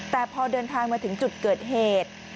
แต่พอเดินทางมาถึงจุดเกิดเหตุ